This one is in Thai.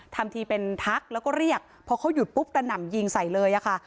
ทำทีเป็นทักแล้วก็เรียกพอเขาหยุดปุ๊บกระหน่ำยิงใส่เลยอะค่ะ